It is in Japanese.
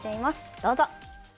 どうぞ。